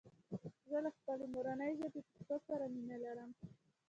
زه له خپلي مورني ژبي پښتو سره مينه لرم